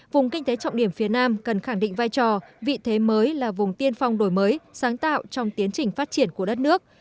vùng kinh tế trọng điểm phía nam cần khẳng định vai trò vị thế mới là vùng tiên phong đổi mới sáng tạo trong tiến trình phát triển của đất nước